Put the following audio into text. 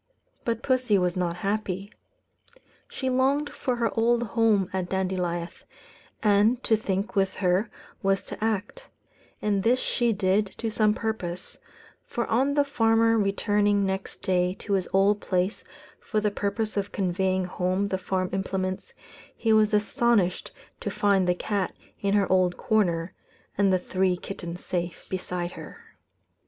But pussy was not happy. She longed for her old home at Dandilieth; and to think, with her, was to act; and this she did to some purpose, for on the farmer returning next day to his old place for the purpose of conveying home the farm implements, he was astonished to find the cat in her old corner, and the three kittens safe beside her.